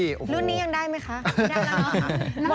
รุ่นนี้ยังได้มั้ยค่ะ